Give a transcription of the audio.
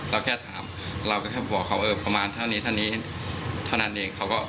เราถามเขาบอกว่าเออประมาณเท่านี้เท่านั้นเอง